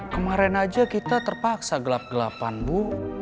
kemarin aja kita terpaksa gelap gelapan bu